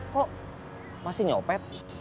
kok masih nyopet